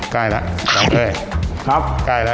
ใกล้แล้ว